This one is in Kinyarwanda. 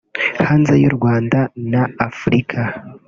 hanze y’u Rwanda na Afurika